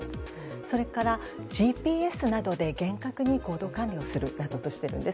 それから、ＧＰＳなどで厳格に行動管理をするなどとしているんです。